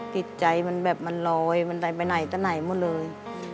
จิตใจมันแบบมันลอยมันไปไหนแต่ไหนหมดเลย